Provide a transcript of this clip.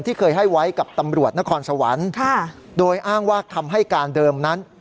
เคยให้ไว้กับตำรวจนครสวรรค์โดยอ้างว่าคำให้การเดิมนั้น